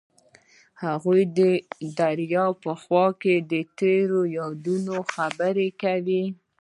هغوی د دریا په خوا کې تیرو یادونو خبرې کړې.